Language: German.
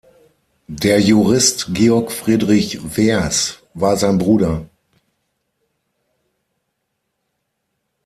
Der Jurist Georg Friedrich Wehrs war sein Bruder.